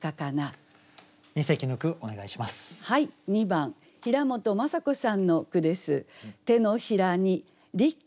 ２番平本雅子さんの句です。